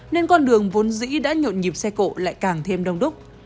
nên con đường vốn dĩ đã nhộn nhịp xe cộ lại càng thêm đông đúc